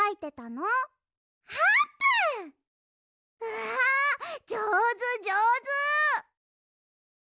わあじょうずじょうず！